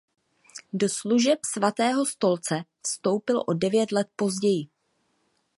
Do Služeb Svatého stolce vstoupil o devět let později.